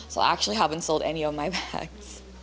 jadi aku sebenarnya belum menjual bagian bagian aku